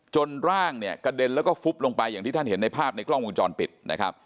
ร่างเนี่ยกระเด็นแล้วก็ฟุบลงไปอย่างที่ท่านเห็นในภาพในกล้องวงจรปิดนะครับ